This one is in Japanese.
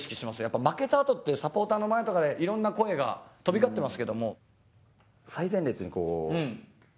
やっぱ負けたあとってサポーターの前とか色んな声が飛び交ってますけども。